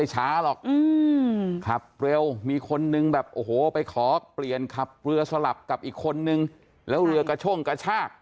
โหไปขอเปลี่ยนขับเรือสลับกับอีกคนนึงแล้วเรือกระช่งกระชาก